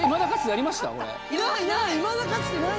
ないない！